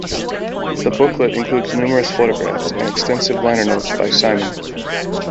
The booklet includes numerous photographs and extensive liner notes by Simon.